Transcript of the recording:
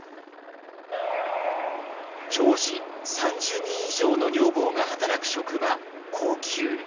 常時３０人以上の女房が働く職場後宮。